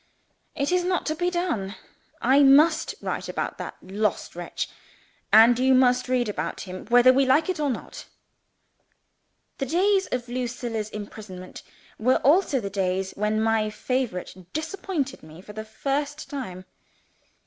It is not to be done. I must write about that lost wretch, and you must read about him, whether we like it or not. The days of Lucilla's imprisonment, were also the days when my favorite disappointed me, for the first time.